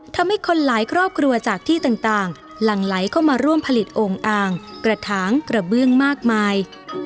ทำให้คนหลายครอบครัวจากที่ต่างหลั่งไหลเข้ามาร่วมผลิตโอ่งอ่างกระถางกระเบื้องมากมาย